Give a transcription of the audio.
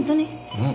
うん。